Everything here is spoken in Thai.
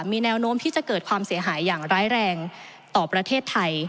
มีแนวโน้มที่จะเกิดความเสียหายอย่างร้ายแรงต่อประเทศไทย